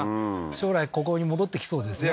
将来ここに戻ってきそうですね